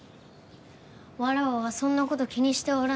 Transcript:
わらわはそんな事気にしておらぬ。